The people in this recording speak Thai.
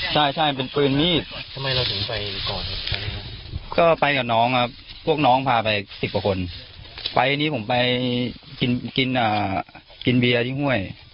สิบกว่าคนไปอันนี้ผมไปกินเบียดิ้งห้วย